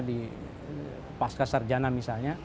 di pasca sarjana misalnya